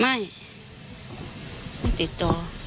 ไม่ไม่ติดต่อ